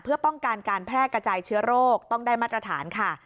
เพื่อป้องกันการแพร่กระจายเชื้อโรคต้องได้มาตรฐานค่ะ